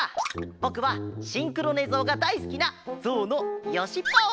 ぼくはシンクロねぞうがだいすきなゾウのよしパオ！